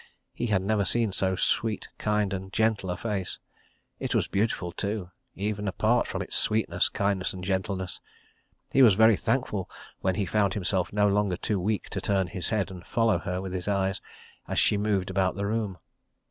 He had never seen so sweet, kind, and gentle a face. It was beautiful too, even apart from its sweetness, kindness and gentleness. He was very thankful when he found himself no longer too weak to turn his head and follow her with his eyes, as she moved about the room.